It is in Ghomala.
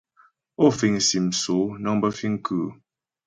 Ó fìŋ sim sóó nəŋ bə fìŋ kʉ́ʉ ?